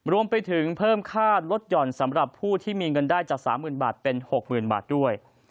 รวมไปถึงเพิ่มค่าลดหย่อนสำหรับผู้ที่มีเงินได้จาก๓๐๐๐บาทเป็น๖๐๐๐บาทด้วย